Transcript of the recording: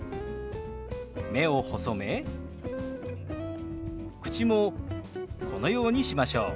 目を細め口もこのようにしましょう。